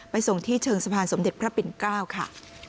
ส่งที่เชิงสะพานสมเด็จพระปิ่น๙ค่ะ